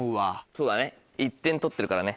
そうだね１点取ってるからね。